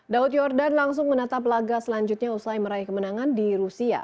daud yordan langsung menatap laga selanjutnya usai meraih kemenangan di rusia